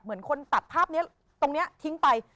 เหมือนคนตัดภาพนี้ตรงนี้ทิ้งไป